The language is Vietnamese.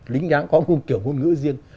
lính dáng có một kiểu ngôn ngữ riêng